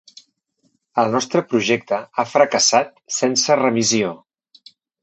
El nostre projecte ha fracassat sense remissió.